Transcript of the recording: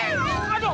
aduh aduh aduh